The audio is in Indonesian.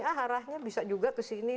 ya arahnya bisa juga ke sini